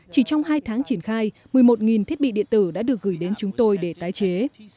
chỉ trong hai tháng triển khai một mươi một thiết bị điện tử đã được gửi đến chúng tôi để tái chế